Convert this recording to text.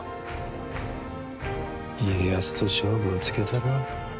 家康と勝負をつけたるわ。